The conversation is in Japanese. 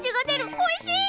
おいしい！